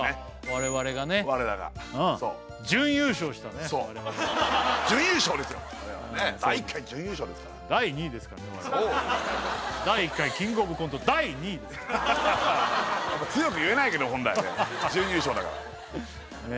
我々ね第１回準優勝ですから第２位ですからね